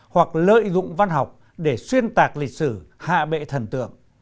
hoặc lợi dụng văn học để xuyên tạc lịch sử hạ bệ thần tượng